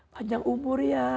panjang umur ya